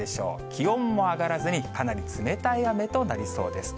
気温も上がらずに、かなり冷たい雨となりそうです。